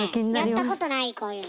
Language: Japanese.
やったことないこういうの。